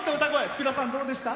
福田さん、どうでした？